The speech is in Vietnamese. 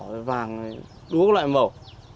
đỏ vàng đuốc loại màu